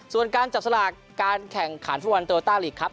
ส่วนการจัดการแข่งขันฟุตบอลโตรอัตาหลีกครับ